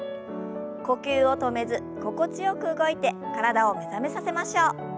呼吸を止めず心地よく動いて体を目覚めさせましょう。